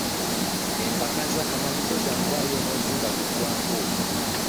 Empaka ez'akamalirizo za kubaayo omwezi nga guggwaako.